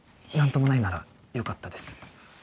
何ともないならよかったです。